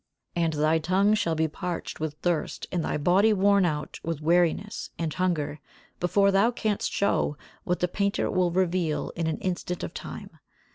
And thy tongue shall be parched with thirst and thy body worn out with weariness and hunger before thou canst show what the painter will reveal in an instant of time.